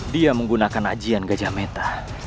dia menggunakan ajian gajah meta